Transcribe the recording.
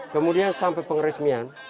kemudian sampai pengresmian